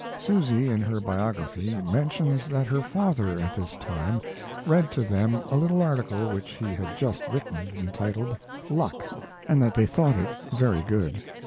Susy, in her biography, mentions that her father at this is time read to them a little article which he had just written, entitled "Luck," and that they thought it very good.